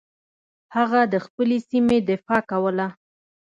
هغه د خپلې سیمې دفاع کوله.